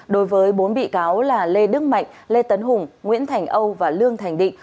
đối với bốn bị cáo là lê đức mạnh lê tấn hùng nguyễn thành âu và lương thành định